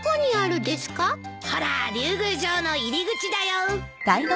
ほら竜宮城の入り口だよ。